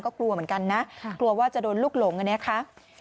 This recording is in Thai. ก็กลัวเหมือนกันนะกลัวว่าจะโดนลูกหลงอันนี้ค่ะ